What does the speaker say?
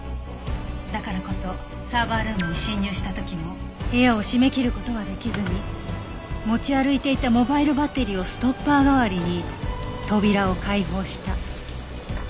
だからこそサーバールームに侵入した時も部屋を閉めきる事はできずに持ち歩いていたモバイルバッテリーをストッパー代わりに扉を開放した。